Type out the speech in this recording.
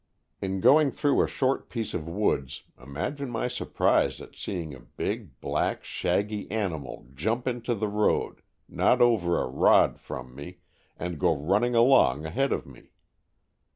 In going through a short piece of woods imagine my sur prise at seeing a big, black, shaggy animal jump into the road not over a rod from me and go running along ahead of me.